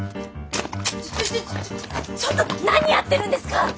ちょちょちょちょっと何やってるんですか！